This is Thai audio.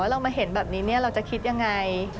เรามาเห็นแบบนี้เราจะคิดยังไง